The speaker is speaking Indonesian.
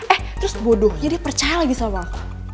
eh terus bodohnya dia percaya lagi sama aku